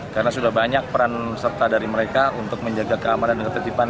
karena sudah banyak peran serta dari mereka untuk menjaga keamanan dan ketetipan